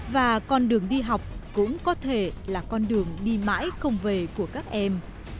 và con đường đi học cũng có thể là con đường đi mãi không về của các em